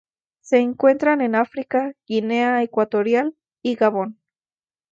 Se encuentran en África: Guinea Ecuatorial y Gabón.